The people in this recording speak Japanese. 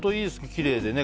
きれいでね。